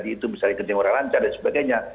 tadi itu misalnya kerja orang lancar dan sebagainya